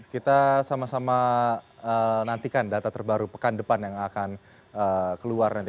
kita sama sama nantikan data terbaru pekan depan yang akan keluar nanti